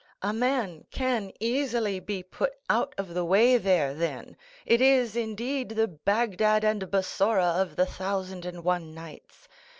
A man can easily be put out of the way there, then; it is, indeed, the Bagdad and Bassora of the Thousand and One Nights.